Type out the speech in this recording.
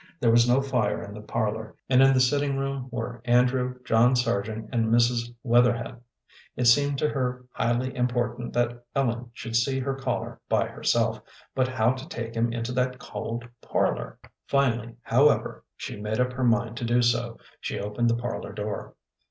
There was no fire in the parlor, and in the sitting room were Andrew, John Sargent, and Mrs. Wetherhed. It seemed to her highly important that Ellen should see her caller by herself, but how to take him into that cold parlor? Finally, however, she made up her mind to do so. She opened the parlor door.